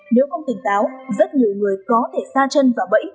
nếu không tỉnh táo rất nhiều người có thể sa chân vào bẫy